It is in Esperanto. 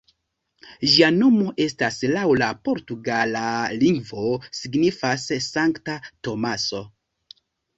Ĝia nomo estas laŭ la portugala lingvo signifas "Sankta Tomaso".